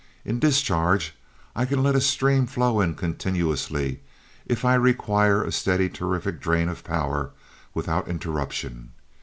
In discharge, I can let a stream flow in continuously if I required a steady, terrific drain of power without interruption.